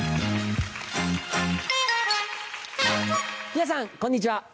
皆さんこんにちは。